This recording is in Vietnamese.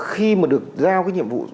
khi mà được giao cái nhiệm vụ